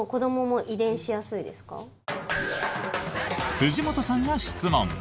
藤本さんが質問！